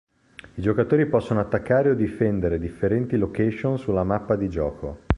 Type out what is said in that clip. I giocatori possono attaccare o difendere differenti location sulla mappa di gioco.